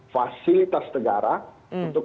fasilitas negara untuk